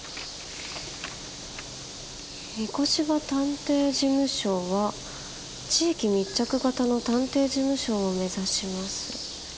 「御子柴探偵事務所は地域密着型の探偵事務所を目指します！」。